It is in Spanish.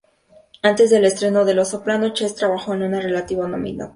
Antes del estreno de "Los Soprano", Chase trabajó en un relativo anonimato.